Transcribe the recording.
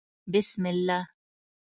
_بسم الله.